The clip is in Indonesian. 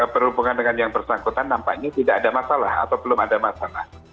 berhubungan dengan yang bersangkutan nampaknya tidak ada masalah atau belum ada masalah